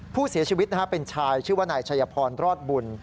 ผู้เสียชีวิตเป็นชายชื่อว่านายชัยพรรอดบุญ